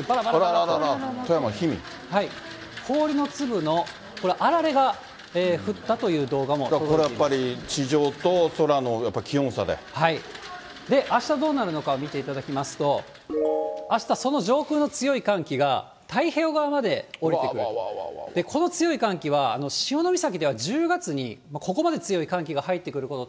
あらららら、氷の粒のあられが降ったといこれ、やっぱり地上と空のやあしたどうなるのかを見ていただきますと、あした、その上空の強い寒気が、太平洋側まで下りてくると、この強い寒気は、潮岬では１０月に、ここまで強い寒気が入ってくること、